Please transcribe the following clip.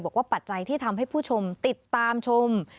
ปัจจัยที่ทำให้ผู้ชมติดตามชม